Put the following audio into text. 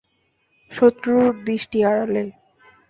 শত্রু দৃষ্টির আড়ালে!